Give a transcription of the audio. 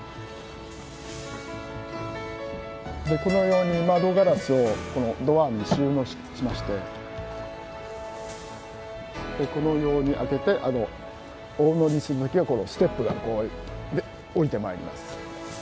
このように窓ガラスをこのドアに収納しましてこのように開けてお乗りするときはこのステップがおりてまいります。